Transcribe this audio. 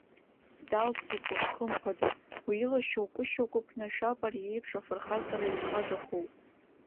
Далцатәуп, хымԥада, уи ила шьоукы-шьоукы ԥнашәап ари еиԥш афырхаҵара иазҟазақәоу!